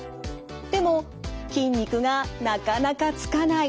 でも筋肉がなかなかつかない。